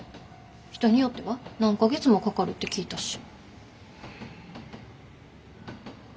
人によっては何か月もかかるって聞いたし。